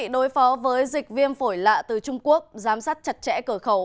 đối phó với dịch viêm phổi lạ từ trung quốc giám sát chặt chẽ cửa khẩu